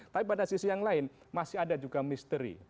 tapi pada sisi yang lain masih ada juga misteri